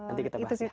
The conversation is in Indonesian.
nanti kita bahas ya